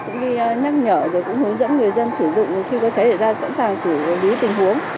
cũng đi nhắc nhở rồi cũng hướng dẫn người dân sử dụng khi có cháy xảy ra sẵn sàng xử lý tình huống